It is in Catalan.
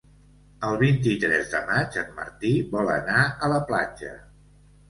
El vint-i-tres de maig en Martí vol anar a la platja.